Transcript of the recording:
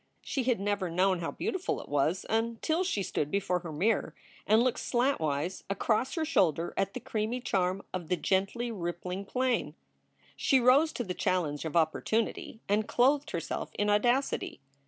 She had never known how beautiful it was until she stood before her mirror and looked slantwise across her shoulder at the creamy charm of the gently rippling plane. She rose to the challenge of opportunity and clothed herself in audacity.